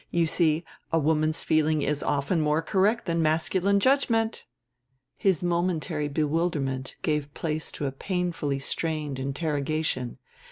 You see, a woman's feeling is often more correct than masculine judgment." His momentary bewilderment gave place to a painfully strained interrogation.